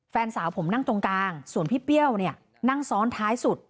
แฟนสาวผมนั่งตรงกลางส่วนพี่เปรี้ยวเนี่ยนั่งซ้อนท้ายสุด